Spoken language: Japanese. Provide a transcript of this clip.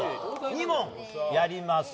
２問やります。